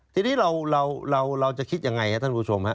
ทีนี้เราจะคิดอย่างไรครับท่านผู้ชม